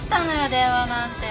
電話なんて。